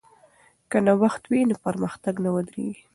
که نوښت وي نو پرمختګ نه ودریږي.